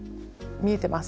見えてます。